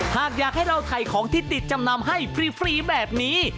หากอยากให้เราถ่ายของที่ติดจำนำให้ฟรีแบบนี้